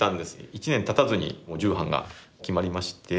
１年たたずにもう重版が決まりまして。